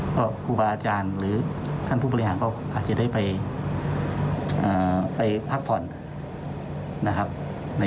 ก็ครูบาอาจารย์หรือท่านผู้บริหารก็อาจจะได้ไปพักผ่อนนะครับ